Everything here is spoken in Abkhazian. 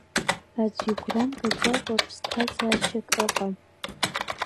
Аӡә игәра мгаӡакәа, ԥсҭазаашьак ыҟам.